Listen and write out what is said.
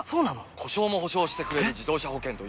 故障も補償してくれる自動車保険といえば？